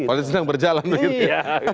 polisi sedang berjalan begitu